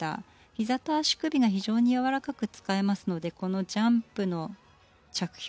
ひざと足首が非常にやわらかく使えますのでこのジャンプの着氷が非常に滑らか。